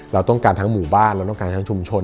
เราต้องการทั้งหมู่บ้านเราต้องการทั้งชุมชน